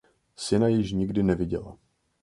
Syna již nikdy neviděla..